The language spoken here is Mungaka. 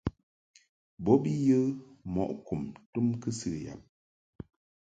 Bo bi yə mɔʼ kum tum kɨsɨ yab.